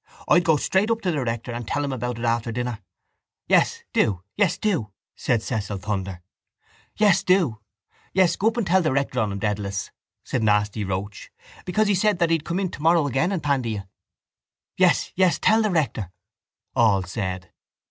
I'd go straight up to the rector and tell him about it after dinner. —Yes, do. Yes, do, said Cecil Thunder. —Yes, do. Yes, go up and tell the rector on him, Dedalus, said Nasty Roche, because he said that he'd come in tomorrow again and pandy you. —Yes, yes. Tell the rector, all said.